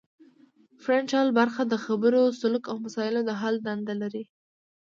فرنټل برخه د خبرو سلوک او مسایلو د حل دنده لري